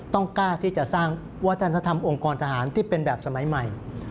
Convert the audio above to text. กล้าที่จะสร้างวัฒนธรรมองค์กรทหารที่เป็นแบบสมัยใหม่